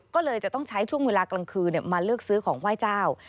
ก็เลยจะต้องใช้ช่วงเวลากลางคืนมาเลือกซื้อของไหว้เจ้า